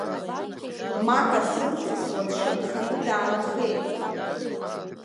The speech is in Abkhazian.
Мака дзымҵысуа дшанханы даанхеит.